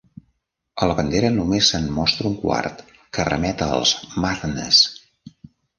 A la bandera només se'n mostra un quart, que remet als Mathenesse.